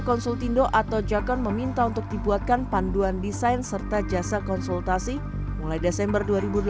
konsultindo atau jakon meminta untuk dibuatkan panduan desain serta jasa konsultasi mulai desember